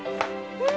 うん。